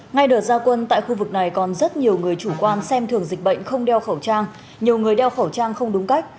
ngay đợt gia quân tại khu vực này còn rất nhiều người chủ quan xem thường dịch bệnh không đeo khẩu trang nhiều người đeo khẩu trang không đúng cách